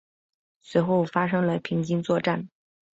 随后发生了平津作战。